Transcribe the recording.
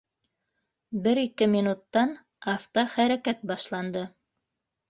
Бер-ике минуттан аҫта хәрәкәт башланды.